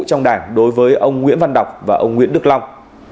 trong đảng đối với ông nguyễn văn đọc và ông nguyễn đức long